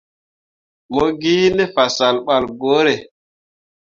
Mo gi ne fasah ɓal ŋwǝǝre.